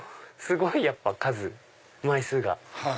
すごいやっぱ数枚数が。